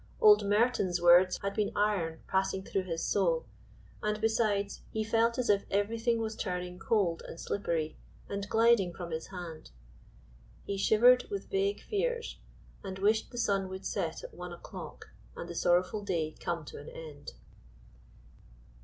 Old Merton's words had been iron passing through his soul, and besides he felt as if everything was turning cold and slippery and gliding from his hand. He shivered with vague fears, and wished the sun would set at one o'clock and the sorrowful day come to an end.